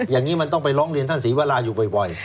อย่างนี้มันต้องไปร้องเรียนท่านศรีวราอยู่บ่อย